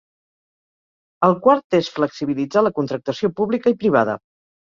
El quart és flexibilitzar la contractació pública i privada.